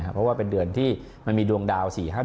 เพราะว่าเป็นเดือนที่มันมีดวงดาว๔๕เดือน